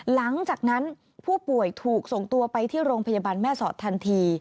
หลังจากนั้นผู้ป่วยถูกส่งตัวไปที่โรงพยาบาลแม่สอดทันที